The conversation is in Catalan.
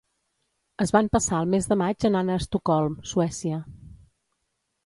Es van passar el mes de maig anant a Estocolm, Suècia.